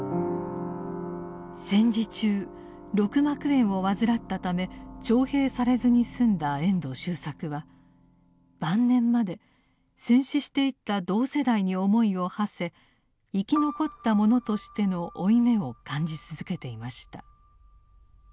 戦時中肋膜炎を患ったため徴兵されずに済んだ遠藤周作は晩年まで戦死していった同世代に思いをはせ生き残った者としての負い目を感じ続けていました。